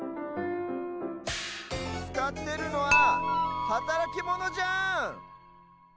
つかってるのははたらきモノじゃん！